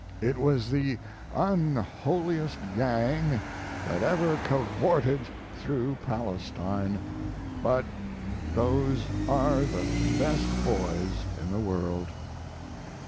It was the unholiest gang that ever cavorted through Palestine, but those are the best boys in the world.